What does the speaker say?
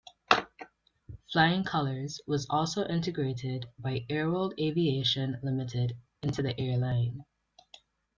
Flying Colours was also integrated by Airworld Aviation Limited into the airline.